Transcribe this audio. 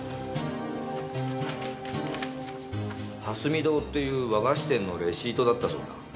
蓮美堂っていう和菓子店のレシートだったそうだ。